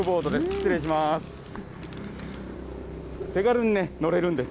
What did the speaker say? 失礼します。